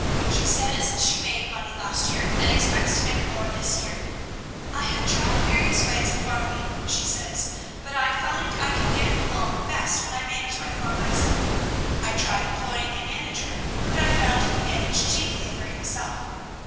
She says she made money last year, and expects to make more this year. "I have tried various ways of farming," she says, "but I find I can get along best when I manage my farm myself. I tried employing a manager, but I found he managed chiefly for himself.